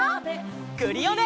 クリオネ！